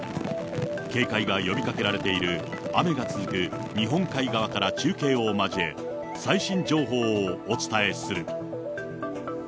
警戒が呼びかけられている雨が続く日本海側から中継を交え、最新情報をお伝えする。